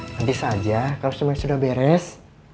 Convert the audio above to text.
nanti saja kalau semuanya sudah beres